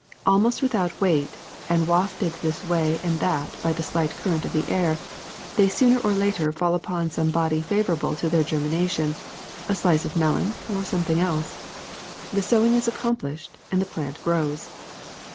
Almost without weight, and wafted this way and that by the slightest current of air, they sooner or later fall upon some body favorable to their ger mination, a slice of melon or something else. The sowing is accomplished and the plant grows.